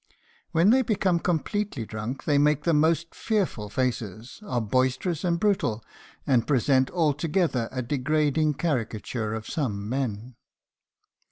When they become completely drunk they make the most fearful faces, are boisterous and brutal, and present altogether a degrading caricature of some men.